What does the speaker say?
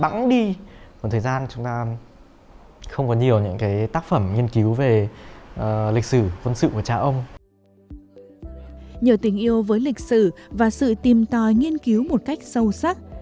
nhờ tình yêu với lịch sử và sự tìm tòi nghiên cứu một cách sâu sắc